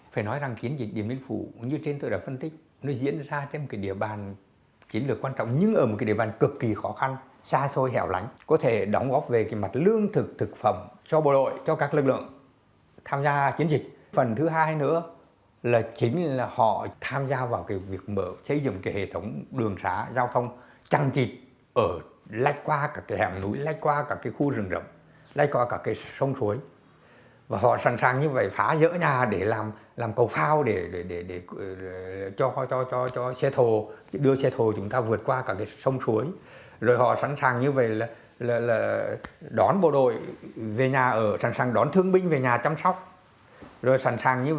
trong chiến dịch điện biên phủ ông đã nhận lời tham gia chương trình của truyền hình công an nhân dân tộc điện biên phủ